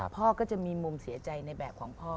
พ่อก็จะมีมุมเสียใจในแบบของพ่อ